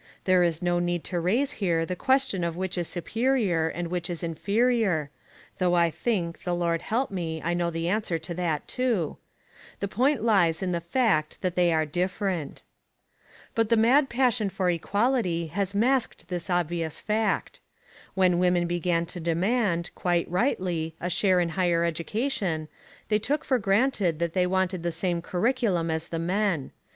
There is no need to raise here the question of which is superior and which is inferior (though I think, the Lord help me, I know the answer to that too). The point lies in the fact that they are different. But the mad passion for equality has masked this obvious fact. When women began to demand, quite rightly, a share in higher education, they took for granted that they wanted the same curriculum as the men.